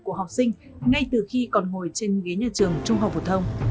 khảo sát nguyên liệu